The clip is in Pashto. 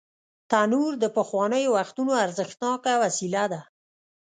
تنور د پخوانیو وختونو ارزښتناکه وسیله ده